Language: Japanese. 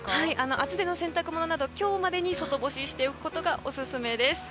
厚手の洗濯物など今日までに外干ししておくことがオススメです。